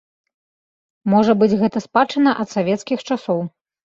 Можа быць гэта спадчына ад савецкіх часоў.